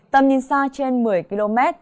tầm nhìn xa trên một mươi km